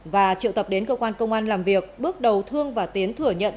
và triệu tập đến cơ quan công an làm việc bước đầu thương và tiến thừa nhận